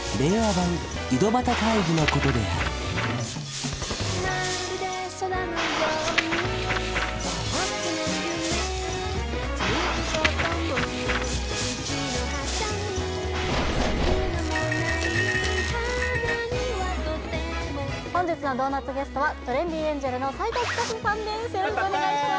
版井戸端会議のことである本日のドーナツゲストはトレンディエンジェルの斎藤司さんですペッペッペー！